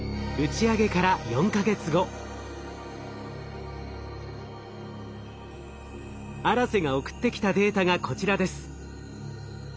「あらせ」が送ってきたデータがこちらです。